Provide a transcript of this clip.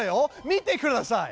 見てください！